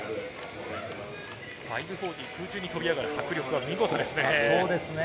５４０、空中に跳び上がる迫力は見事ですね。